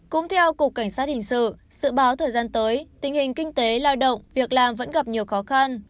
cũng theo cục cảnh sát hình sự dự báo thời gian tới tình hình kinh tế lao động việc làm vẫn gặp nhiều khó khăn